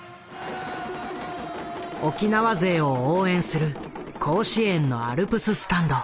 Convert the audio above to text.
沖縄勢を応援する甲子園のアルプススタンド。